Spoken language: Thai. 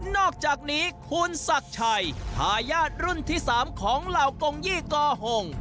นอกจากนี้คุณศักดิ์ชัยทายาทรุ่นที่๓ของเหล่ากงยี่กอหง